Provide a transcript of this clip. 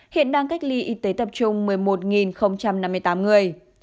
hiện đang cách ly y tế tập trung một mươi một năm mươi tám người